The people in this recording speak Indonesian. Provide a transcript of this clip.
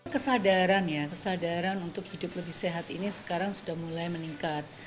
kesadaran ya kesadaran untuk hidup lebih sehat ini sekarang sudah mulai meningkat